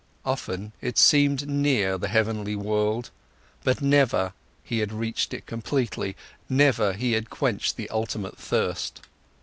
Often, it seemed near, the heavenly world, but never he had reached it completely, never he had quenched the ultimate thirst.